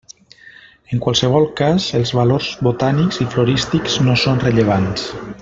En qualsevol cas, els valors botànics i florístics no són rellevants.